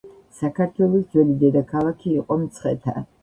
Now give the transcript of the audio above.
საქართველოს ძველი დედაქალაქი იყო მცხეთა